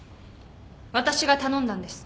私が頼んだんです。